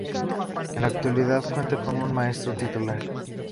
En la actualidad cuenta con un maestro titular.